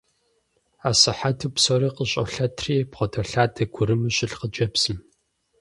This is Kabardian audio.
Асыхьэту псори къыщолъэтри, бгъэдолъадэ гурыму щылъ хъыджэбзым.